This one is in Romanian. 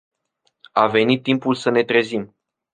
A venit timpul să ne trezim.